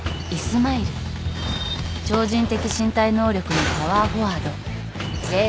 超人的身体能力のパワーフォワード。